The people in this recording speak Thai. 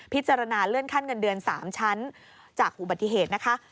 เลื่อนขั้นเงินเดือน๓ชั้นจากอุบัติเหตุนะคะ